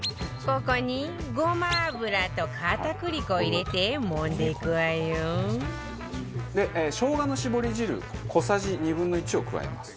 ここにごま油と片栗粉を入れてもんでいくわよで生姜のしぼり汁小さじ２分の１を加えます。